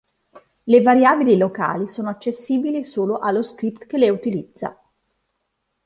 Le variabili locali sono accessibili solo allo script che le utilizza.